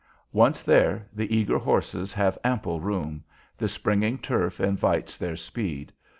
Once there the eager horses have ample room; the springing turf invites their speed.